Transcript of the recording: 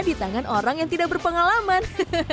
di tangan orang yang tidak berpengalaman